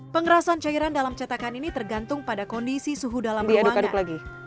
pengerasan cairan dalam cetakan ini tergantung pada kondisi suhu dalam ruangan